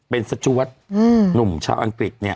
เป็นสจ๊วตหนุ่มชาวอังกฤษ